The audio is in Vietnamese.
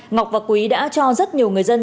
ngọc và quý đã cho rất nhiều người dân